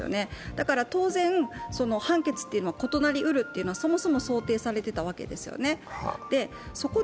だから当然、判決っていうのは異なるうるっていうのは、そもそも想定されていたわけですよね。